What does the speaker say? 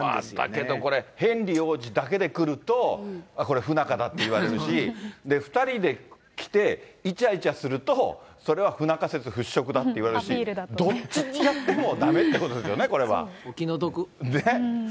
だけどこれ、ヘンリー王子だけで来ると、これ、不仲だっていわれるし、２人で来て、イチャイチャすると、それは不仲説払拭だっていわれるし、どっちにやってもだめっていうことですよね、これは。ねぇ。